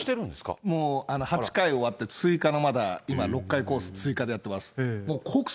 もう、８回終わって追加のまだ今、６回コース、追加でやってます。